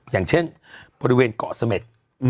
อย่างเช่นบริเวณเกาะเสม็ด